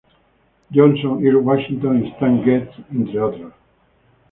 Johnson, Earl Washington y Stan Getz, entre otros.